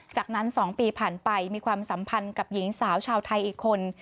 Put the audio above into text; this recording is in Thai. จากนั้น๒ปีผ่านไปมีความสัมพันธ์กับหญิงสาวชาวไทยอีกคน